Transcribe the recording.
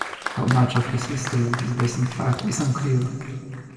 How much of his story is based on fact is unclear.